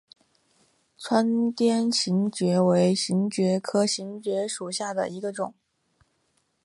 川滇槲蕨为槲蕨科槲蕨属下的一个种。